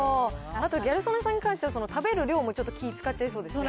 あとギャル曽根さんからしたら、食べる量をちょっと気遣っちゃいそうですね。